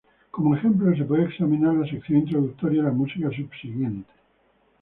Como ejemplo, se puede examinar la sección introductoria y la música subsiguiente.